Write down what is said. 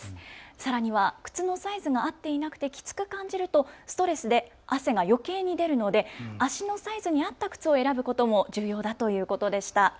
さらには靴のサイズが合っていなくてきつく感じるとストレスで汗がよけいに出るので足のサイズに合った靴を選ぶことも重要だということでした。